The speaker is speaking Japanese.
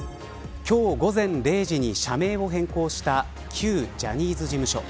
今日午前０時に社名を変更した旧ジャニーズ事務所。